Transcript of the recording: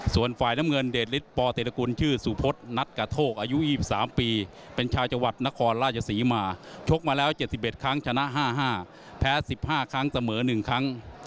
ส่วนฝ่ายน้ำเงินเดชฤทธปเตรกุลชื่อสุพธนัดกระโทกอายุ๒๓ปีเป็นชาวจังหวัดนครราชศรีมาชกมาแล้ว๗๑ครั้งชนะ๕๕แพ้๑๕ครั้งเสมอ๑ครั้ง